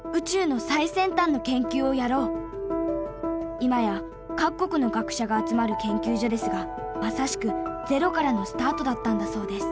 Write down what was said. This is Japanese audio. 今や各国の学者が集まる研究所ですがまさしくゼロからのスタートだったんだそうです。